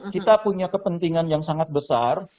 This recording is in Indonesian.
kita punya kepentingan yang sangat besar